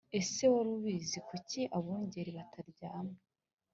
Ese wari ubizi Kuki abungeri bataryama